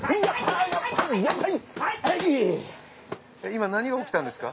今何が起きたんですか？